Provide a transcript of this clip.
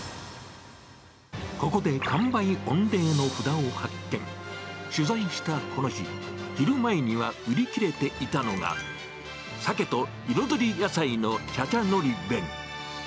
ここで完売御礼の札を貼って、取材したこの日、昼前には売り切れていたのが、鮭と彩り野菜の茶々のり弁。